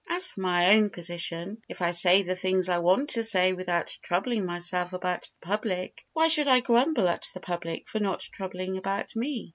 As for my own position, if I say the things I want to say without troubling myself about the public, why should I grumble at the public for not troubling about me?